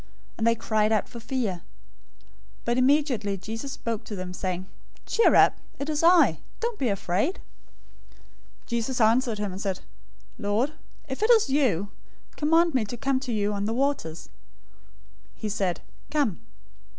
and they cried out for fear. 014:027 But immediately Jesus spoke to them, saying "Cheer up! It is I!{or, I AM!} Don't be afraid." 014:028 Peter answered him and said, "Lord, if it is you, command me to come to you on the waters." 014:029 He said, "Come!"